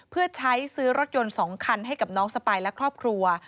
เพื่อใช้ซื้อรถยนต์๒คันให้กับน้องสปายและครอบครัว